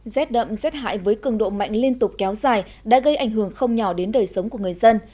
rét đậm rét hại với cường độ mạnh liên tục kéo dài đã gây ảnh hưởng không nhỏ đến đời sống của người dân